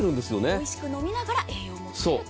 おいしく飲みながら栄養も取れると。